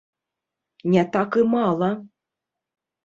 Не так і мала.